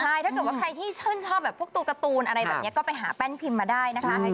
ใช่ถ้าเกิดว่าใครที่ชื่นชอบแบบพวกตัวการ์ตูนอะไรแบบนี้ก็ไปหาแป้นพิมพ์มาได้นะคะ